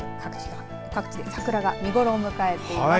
各地で桜が見頃を迎えています。